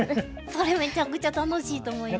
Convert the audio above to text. それめちゃくちゃ楽しいと思います。